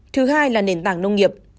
thứ hai là nền tảng nông nghiệp